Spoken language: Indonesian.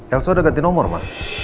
elsa udah ganti nomor ma